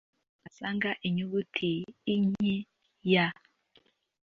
Ni hehe wasanga inyuguti Inky